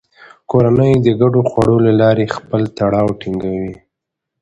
کورنۍ د ګډو خوړو له لارې خپل تړاو ټینګوي